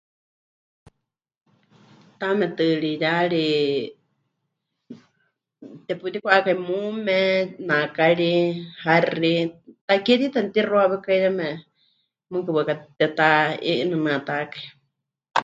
Taame tɨɨriyari teputikwa'akai muume, naakari, haxi, takie tiita mɨtixuawekai yeme, mɨɨkɨ waɨká tepɨteha'inɨnɨatakai.